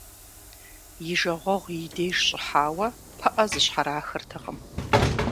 И жагъуэгъу и деж щӀыхьауэ пыӀэ зыщхьэрахыртэкъым.